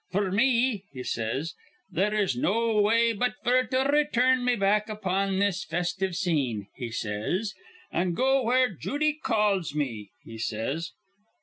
'F'r me,' he says, 'there is no way but f'r to tur rn me back upon this festive scene,' he says, 'an' go where jooty calls me,' he says.